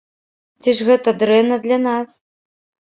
Ці ж гэта дрэнна для нас?